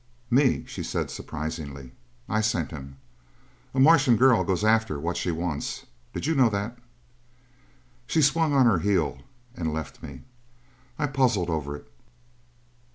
"Me," she said surprisingly. "I sent him. A Martian girl goes after what she wants. Did you know that?" She swung on her heel and left me. I puzzled over it.